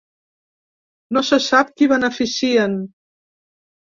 No se sap qui beneficien.